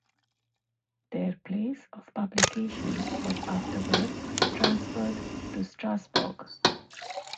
Their place of publication was afterwards transferred to Strasbourg.